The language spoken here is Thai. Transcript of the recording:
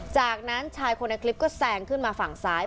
จากนั้นชายคนในคลิปก็แซงขึ้นมาฝั่งซ้าย